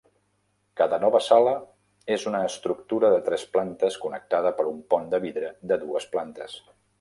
Cada nova sala és una estructura de tres plantes connectada per un pont de vidre de dues plantes.